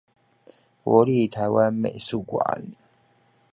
國立臺灣美術館